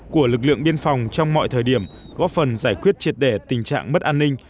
của lực lượng biên phòng trong mọi thời điểm góp phần giải quyết triệt đề tình trạng mất an ninh